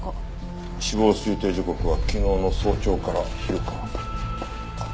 死亡推定時刻は昨日の早朝から昼か。